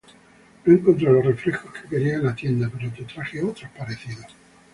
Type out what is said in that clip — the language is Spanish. No encontré los refrescos que querías en la tienda pero te traje otros similares